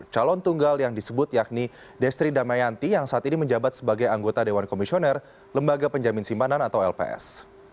calon tunggal yang disebut yakni destri damayanti yang saat ini menjabat sebagai anggota dewan komisioner lembaga penjamin simpanan atau lps